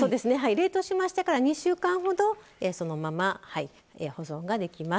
冷凍しましてから２週間ほどそのまま保存ができます。